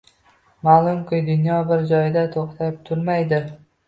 Ma’lumki, dunyo bir joyda to’xtab turmaydi